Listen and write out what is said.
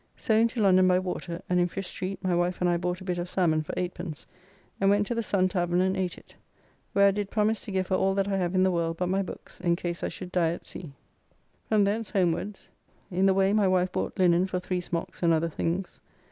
So into London by water, and in Fish Street my wife and I bought a bit of salmon for 8d. and went to the Sun Tavern and ate it, where I did promise to give her all that I have in the world but my books, in case I should die at sea. From thence homewards; in the way my wife bought linen for three smocks and other things.